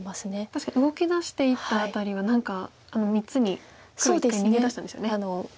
確かに動きだしていった辺りはあの３つに黒一回逃げ出したんですよね。